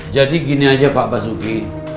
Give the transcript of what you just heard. jadi gini aja pak basuki